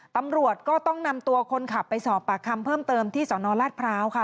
ตำรวจก็ต้องนำตัวคนขับไปสอบปากคำเพิ่มเติมที่สนราชพร้าวค่ะ